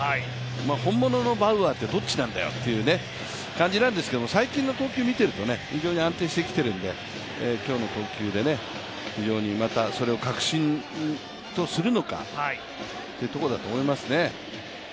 本物のバウアーってどっちなんだよという感じなんですけど、最近の投球をみていると、非常に安定してきているので、今日の投球でそれを確信とするのかというところだと思いますね。